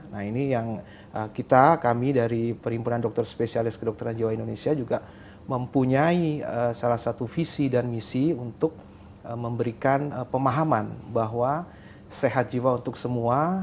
nah ini yang kita kami dari perhimpunan dokter spesialis kedokteran jiwa indonesia juga mempunyai salah satu visi dan misi untuk memberikan pemahaman bahwa sehat jiwa untuk semua